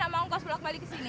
sama ongkos pulak balik kesini